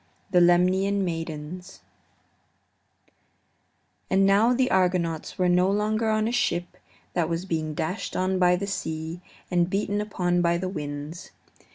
THE LEMNIAN MAIDENS And now the Argonauts were no longer on a ship that was being dashed on by the sea and beaten upon by the winds.